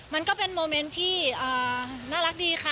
มันก็เป็นโมเมนต์ที่น่ารักดีค่ะ